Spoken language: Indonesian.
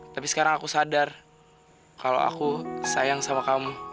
tapi sekarang aku sadar kalau aku sayang sama kamu